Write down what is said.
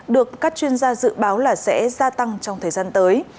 được các chuyên gia dự báo là sẽ gia tăng trong thời gian tới